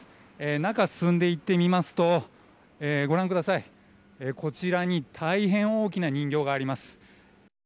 中を進んでいってみますとご覧ください、こちらに大変大きな人形があります。